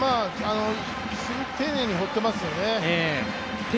すごく丁寧に放っていますよね。